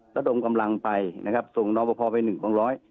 กระดงกำลังไปนะครับส่งนองบะพองไปหนึ่งปร่องร้อย